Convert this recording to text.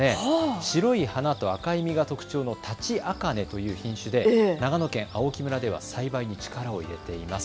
白い花と赤い実が特徴のタチアカネという品種で長野県青木村では栽培に力を入れています。